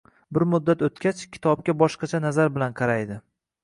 Bir muddat o‘tgach, kitobga boshqacha nazar bilan qaraydi